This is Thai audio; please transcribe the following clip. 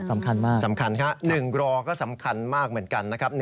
สำคัญมากสำคัญครับ๑รอก็สำคัญมากเหมือนกันนะครับ